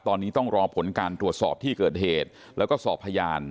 ตอนนี้ต้องรอผลการตรวจสอบที่เกิดเหตุแล้วก็สอบพยาน